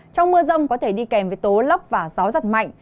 trong mưa rông có thể đi kèm với tố lốc và gió giật mạnh